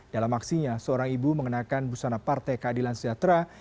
dalam aksinya seorang ibu mengenakan busana partai keadilan sejahtera